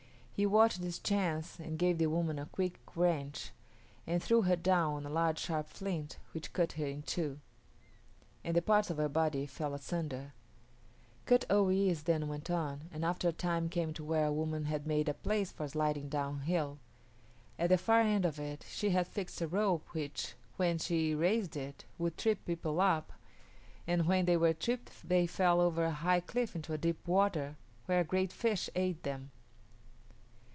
He watched his chance and gave the woman a quick wrench, and threw her down on a large sharp flint which cut her in two; and the parts of her body fell asunder. Kut o yis´ then went on, and after a time came to where a woman had made a place for sliding downhill. At the far end of it she had fixed a rope which, when she raised it, would trip people up, and when they were tripped they fell over a high cliff into a deep water, where a great fish ate them.